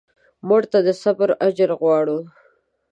مړه ته د صبر اجر غواړو